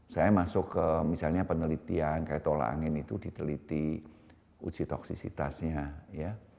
saya masuk ke misalnya penelitian kayak tolak angin itu diteliti uji toksisitasnya ya